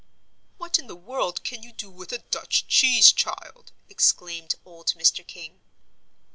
"What in the world can you do with a Dutch cheese, child?" exclaimed old Mr. King.